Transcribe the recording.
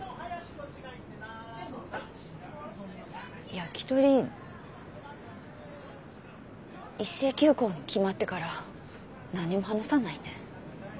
ヤキトリ一斉休校が決まってから何も話さないね。